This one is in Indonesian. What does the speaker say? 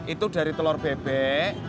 itu dari telur bebek